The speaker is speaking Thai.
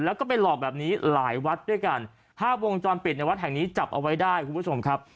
แล้วก็ไปหลอกแบบนี้หลายวัดด้วยกันภาพวงจรปิดในวัดแห่งนี้จับเอาไว้ได้คุณผู้ชมครับ